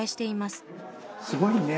すごいね。